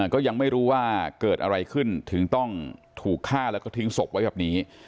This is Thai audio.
ก็ยังไม่รู้ว่าเกิดอะไรขึ้นถึงต้องถูกฆ่าแล้วก็ทิ้งศพไว้แบบนี้